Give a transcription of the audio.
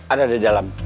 ada di dalam